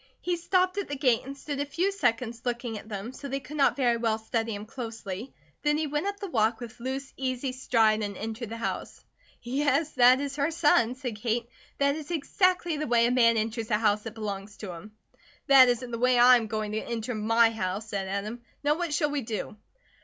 He stopped at the gate and stood a few seconds looking at them, so they could not very well study him closely, then he went up the walk with loose, easy stride and entered the house. "Yes, that is her son," said Kate. "That is exactly the way a man enters a house that belongs to him." "That isn't the way I am going to enter my house," said Adam. "Now what shall we do?"